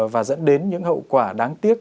và dẫn đến những hậu quả đáng tiếc